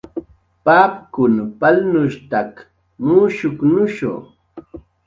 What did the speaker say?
Papkun palnushstak mushkunushu